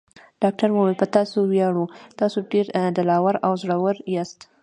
ډاکټر وویل: په تا ویاړو، تاسي ډېر دل اور او زړور یاست.